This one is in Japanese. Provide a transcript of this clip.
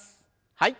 はい。